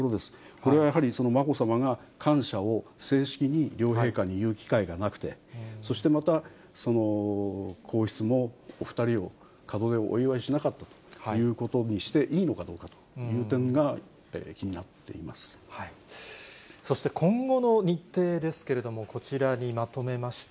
これはやはりまこさまが感謝を正式に両陛下に言う機会がなくて、そしてまた皇室も、お２人を、門出をお祝いしなかったということにしていいのかどうかという点そして今後の日程ですけれども、こちらにまとめました。